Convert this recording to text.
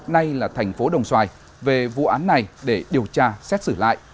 nay là tp đồng xoài về vụ án này để điều tra xét xử lại